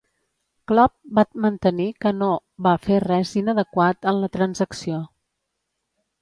Clubb va mantenir que no va fer res inadequat en la transacció.